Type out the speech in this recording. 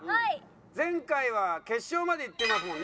前回は決勝までいってますもんね。